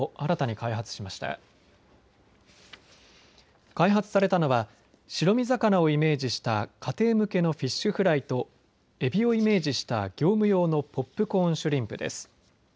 開発されたのは白身魚をイメージした家庭向けのフィッシュフライとエビをイメージした業務用のポップコーンシュリンプです。